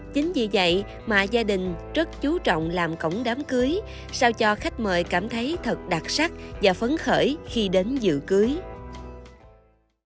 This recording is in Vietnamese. chính vì vậy mà gia đình rất chú trọng làm cổng đám cưới sao cho khách mời cảm thấy thật đặc sắc và phấn khởi khi đến dự cưới